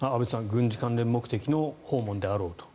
軍事関連目的の訪問であろうと。